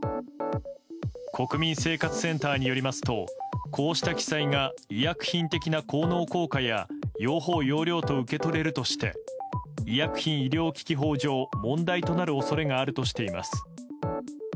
国民生活センターによりますとこうした記載が医薬品的な効能効果や用法・用量と受け取れるとして医薬品医療機器等法上問題となる恐れがあるとしています。